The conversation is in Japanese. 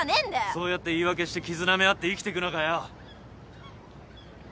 そうやって言い訳して傷なめ合って生きてくのかよ。